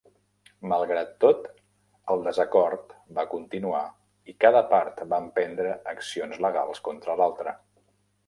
Malgrat tot, el desacord va continuar i cada part va emprendre acciones legals contra l'altra.